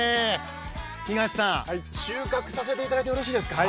東さん、東さん、収穫させていただいてよろしいですか？